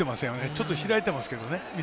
ちょっと開いてますけどね。